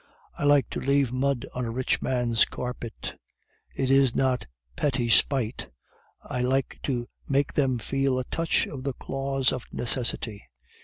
I like to leave mud on a rich man's carpet; it is not petty spite; I like to make them feel a touch of the claws of Necessity.